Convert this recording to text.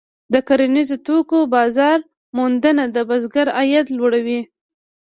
د کرنیزو توکو بازار موندنه د بزګر عاید لوړوي.